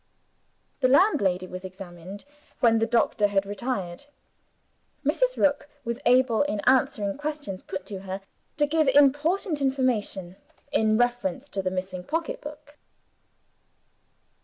The landlady was examined, when the doctor had retired. Mrs. Rook was able, in answering questions put to her, to give important information, in reference to the missing pocketbook.